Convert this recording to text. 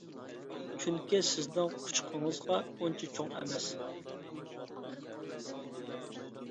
چۈنكى سىزنىڭ قۇچىقىڭىزغا ئۇنچە چوڭ ئەمەس.